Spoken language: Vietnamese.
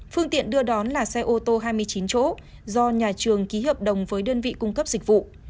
phương tiện đưa đón là xe ô tô hai mươi chín chỗ do nhà trường ký hợp đồng với đơn vị cung cấp dịch vụ